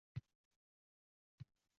Shuning uchun isteʼmol hajmiga dosh berolmadi